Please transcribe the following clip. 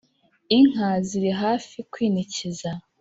inka ziri hafi kwinikiza